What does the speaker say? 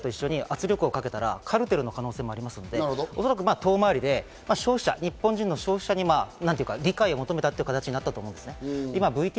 ですけど業界団体と一緒に圧力をかけたらカルテルの可能性もありますので、おそらく遠回りで、日本人の消費者に理解を求めた形になったと思います。